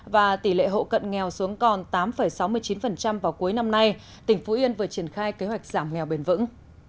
và tỷ lệ hộ cận nghèo xuống còn tám sáu mươi chín vào cuối năm nay tỉnh phú yên vừa triển khai kế hoạch giảm nghèo bền vững